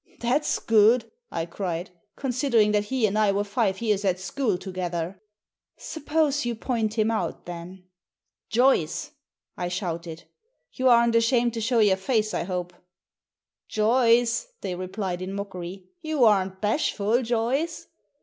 " That's good," I cried, " considering that he and I were five years at school together." " Suppose you point him out then ?" Digitized by VjOOQIC THE FIFTEENTH MAN i6i "Joyce!" I shouted. "You aren't ashamed to show your face, I hope?" " Joyce !" they replied, in mockery. " You aren't bashful, Joyce